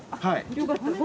はい。